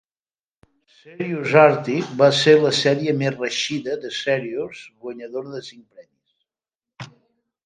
"Serious Arctic" va ser la sèrie més reeixida de "Serious", guanyadora de cinc premis.